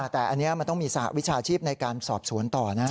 แต่อันนี้มันต้องมีสหวิชาชีพในการสอบสวนต่อนะ